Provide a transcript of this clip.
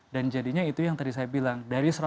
dan jadinya itu yang tadi saya bilang